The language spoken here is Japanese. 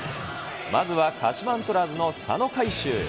まずは鹿島アントラーズの佐野海舟。